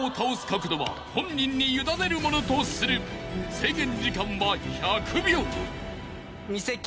［制限時間は１００秒］